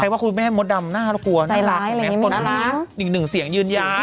ใครว่าคุณแม่มดดำน่ากลัวน่ารักเห็นไหมคนหนึ่งเสียงยืนย้าน